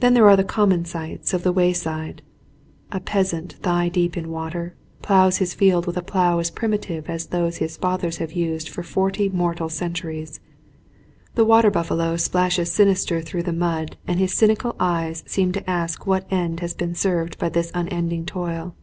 Then there are the common sights of the way side. A peasant, thigh deep in water, ploughs his field with a plough as primitive as those his fathers have used for forty mortal centuries. The water buffalo splashes sinister through the mud and his cynical eyes seem to ask what end has been served by this unending toil.